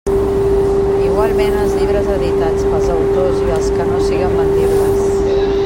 Igualment, els llibres editats pels autors i els que no siguen vendibles.